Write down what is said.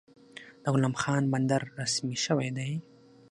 د غلام خان بندر رسمي شوی دی؟